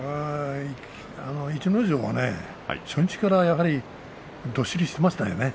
逸ノ城は初日からどっしりとしていましたね。